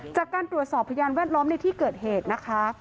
จากการตรวจสอบพยานแวดล้อมในที่เกิดเหตุนะคะ